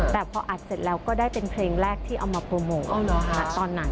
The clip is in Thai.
แต่พออัดเสร็จแล้วก็ได้เป็นเพลงแรกที่เอามาโปรโมทตอนนั้น